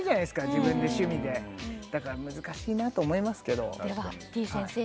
自分で趣味でだから難しいなと思いますけどではてぃ